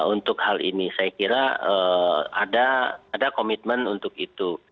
untuk hal ini saya kira ada komitmen untuk itu